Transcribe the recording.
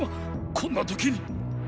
こんな時にっ！